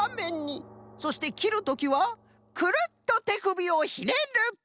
そしてきるときはくるっとてくびをひねる！